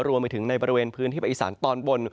รวมไปถึงในบริเวณพื้นที่ประอิสานตอนบน